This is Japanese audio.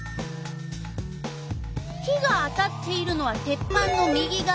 火が当たっているのは鉄板の右がわだけ。